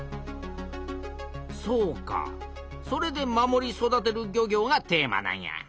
そうかそれで「守り育てる漁業」がテーマなんや。